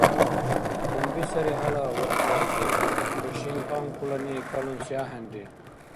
Къунби сари хӀела, Вагьбу-ази! ХӀу шинкьанкулани калунси ахӀенри!